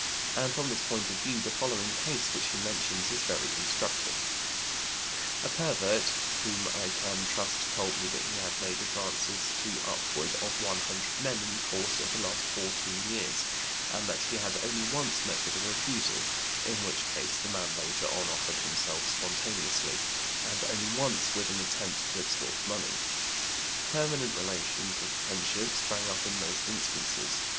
And from this point of view the following case, which he mentions, is very instructive: A pervert whom I can trust told me that he had made advances to upward of one hundred men in the course of the last fourteen years, and that he had only once met with a refusal (in which case the man later on offered himself spontaneously) and only once with an attempt to extort money. Permanent relations of friendship sprang up in most instances.